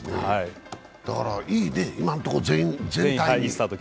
だから、いいね、今のところ全体に。